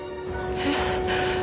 えっ。